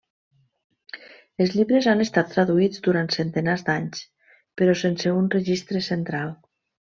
Els llibres han estat traduïts durant centenars d'anys, però sense un registre central.